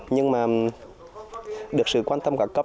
nhưng mà được sự quan tâm các cấp